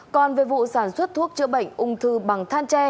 còn về vụ sản xuất thuốc chữa bệnh ung thư bằng than tre